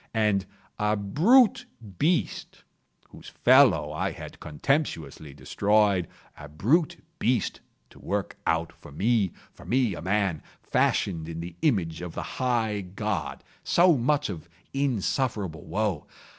And a brute beast —whose fellow I had contemptuously destroyed—a brute beast to work out for me—for me a man, fashioned in the image of the High God—so much of insufferable woe!